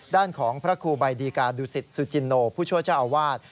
ด้านของพระครูบัยดีกาดูสิทธิ์ซูจินโนผู้ชัวร์เจ้าอวาส